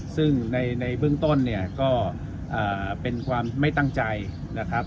ซึ่งในเบื้องต้นเนี่ยก็เป็นความไม่ตั้งใจนะครับ